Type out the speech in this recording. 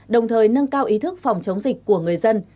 đồng thời nâng cao ý thức phòng chống dịch của người dân